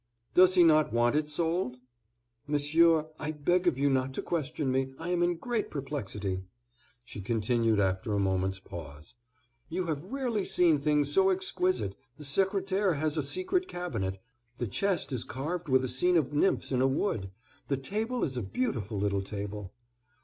"Does he not want it sold?" "Monsieur, I beg of you not to question me; I am in great perplexity." She continued, after a moment's pause, "You have rarely seen things so exquisite; the secretaire has a secret cabinet, the chest is carved with a scene of nymphs in a wood; the table is a beautiful little table."